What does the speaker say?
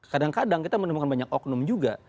kadang kadang kita menemukan banyak oknum juga